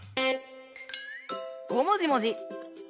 ごもじもじ！